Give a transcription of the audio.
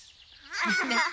アハハハ！